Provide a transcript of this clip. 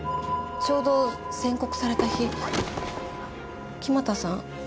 ちょうど宣告された日木俣さん